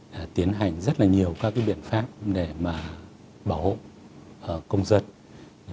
để tiến hành rất là nhiều các biện pháp để bảo hộ công dân